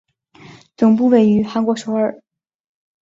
总部位于韩国首尔。